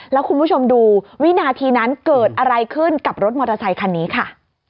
แล้วคุณผู้ชมดูวินาทีนั้นเกิดอะไรขึ้นกับรถมอเตอร์ไซคันนี้ค่ะ